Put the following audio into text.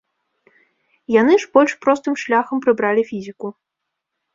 Яны ж больш простым шляхам прыбралі фізіку.